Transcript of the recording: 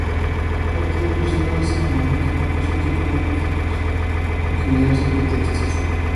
Parte de los llegados eran hombres de negocios, diplomáticos, ingenieros y arquitectos.